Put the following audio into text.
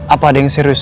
apa ada yang serius